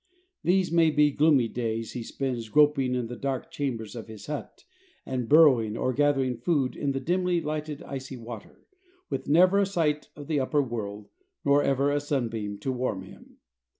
These may be gloomy days he spends groping in the dark chambers of his hut and burrow, or gathering food in the dimly lighted icy water, with never a sight of the upper world nor ever a sunbeam to warm him.